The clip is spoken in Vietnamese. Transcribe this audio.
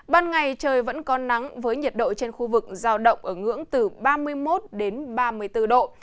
ban ngày trời vẫn có nắng với nhiệt độ trên khu vực giao động ở ngưỡng từ ba mươi một đến ba mươi bốn độ